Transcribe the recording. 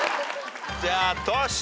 じゃあトシ。